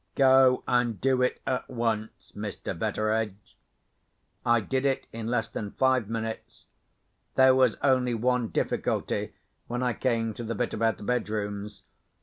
"Go, and do it at once, Mr. Betteredge." I did it in less than five minutes. There was only one difficulty when I came to the bit about the bedrooms.